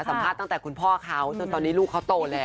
สัมภาษณ์ตั้งแต่คุณพ่อเขาจนตอนนี้ลูกเขาโตแล้ว